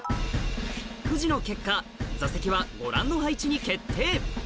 クジの結果座席はご覧の配置に決定